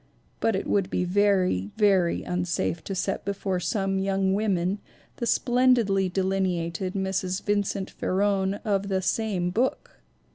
But it would be very, very unsafe to set before some young women the splendidly delineated Mrs. Vincent Farron of that same book!